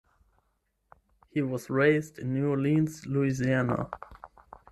He was raised in New Orleans, Louisiana.